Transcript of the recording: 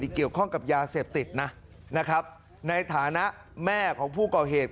เกี่ยวข้องกับยาเสพติดนะนะครับในฐานะแม่ของผู้ก่อเหตุ